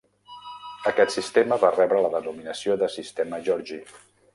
Aquest sistema va rebre la denominació de "sistema Giorgi".